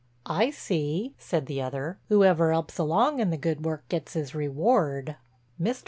"I see," said the other, "'oever 'elps along in the good work gets 'is reward." Mr.